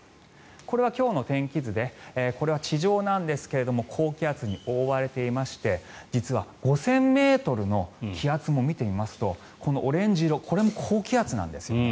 これは今日の天気図でこれは地上なんですが高気圧に覆われていまして実は、５０００ｍの気圧も見てみますとオレンジ色これも高気圧なんですよね。